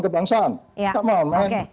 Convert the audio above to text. kebangsaan come on man